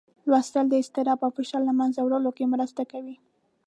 لوستل د اضطراب او فشار له منځه وړلو کې مرسته کوي.